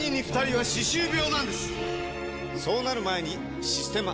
そうなる前に「システマ」！